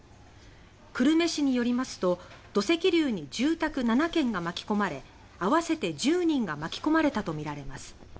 久留米市によると土石流に住宅７棟が巻き込まれ計１０人が巻き込まれたとみられます。